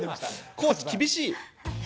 コーチ、厳しい。